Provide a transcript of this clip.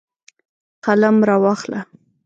قلم راواخله.